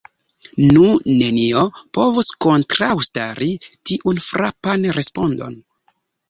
Nu, nenio povus kontraŭstari tiun frapan respondon.